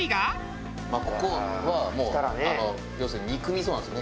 ここはもう要するに肉みそなんですよね。